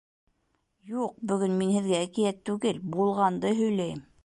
— Юҡ, бөгөн мин һеҙгә әкиәт түгел, булғанды һөйләйем.